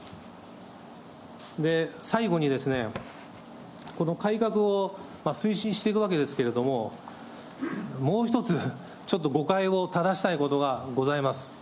最後に、この改革を推進していくわけですけれども、もう１つ、ちょっと誤解をただしたいことがございます。